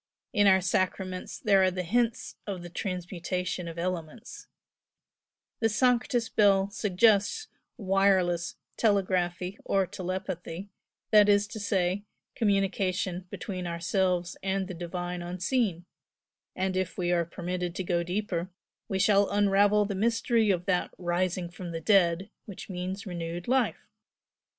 In our sacraments there are the hints of the transmutation of elements, the 'Sanctus' bell suggests wireless telegraphy or telepathy, that is to say, communication between ourselves and the divine Unseen, and if we are permitted to go deeper, we shall unravel the mystery of that 'rising from the dead' which means renewed life.